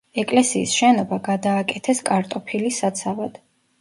ეკლესიის შენობა გადააკეთეს კარტოფილის საცავად.